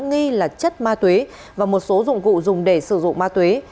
nghi là chất ma tuế và một số dụng cụ dùng để sử dụng ma tuế